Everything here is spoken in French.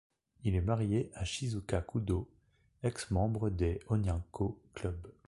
Il est marié à Shizuka Kudo, ex-membre des Onyanko Club.